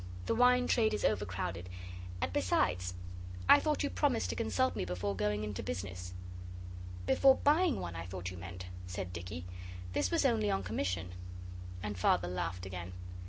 The wine trade is overcrowded; and besides, I thought you promised to consult me before going into business?' 'Before buying one I thought you meant,' said Dicky. 'This was only on commission.' And Father laughed again.